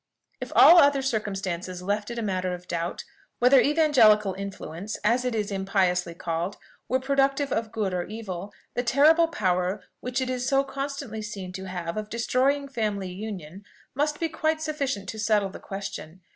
If all other circumstances left it a matter of doubt whether evangelical influence (as it is impiously called) were productive of good or evil, the terrible power which it is so constantly seen to have of destroying family union must be quite sufficient to settle the question.